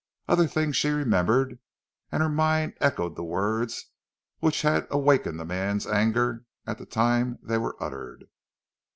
Other things she remembered and her mind echoed the words which had awakened the man's anger at the time they were uttered.